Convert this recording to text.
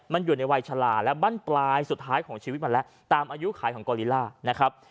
มันอยู่ในวัยฉลาและบ้านปลายสุดท้ายของชีวิตมันแล้วตามอายุขายของกอลิล่านะครับ